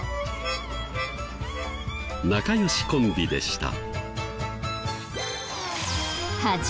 仲良しコンビでした。